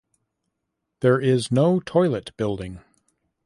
There is no toilet building.